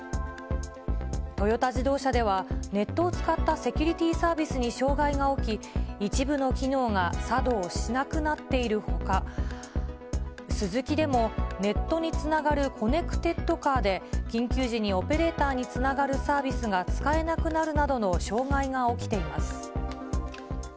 トヨタ自動車では、ネットを使ったセキュリティーサービスに障害が起き、一部の機能が作動しなくなっているほか、スズキでも、ネットにつながるコネクテッドカーで、緊急時にオペレーターにつながるサービスが使えなくなるなどの障害が起きています。